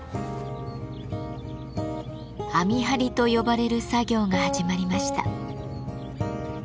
「網張り」と呼ばれる作業が始まりました。